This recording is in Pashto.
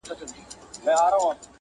د موبايل ټول تصويرونهيېدلېپاتهسي.